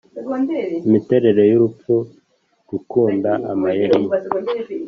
imiterere y'urupfu; gukunda amayeri ye,